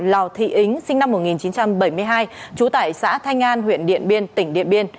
lò thị ứng sinh năm một nghìn chín trăm bảy mươi hai trú tại xã thanh an huyện điện biên tỉnh điện biên